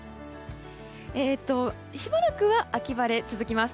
しばらくは秋晴れが続きます。